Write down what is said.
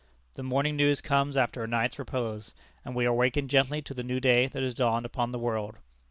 The morning news comes after a night's repose, and we are wakened gently to the new day that has dawned upon the world.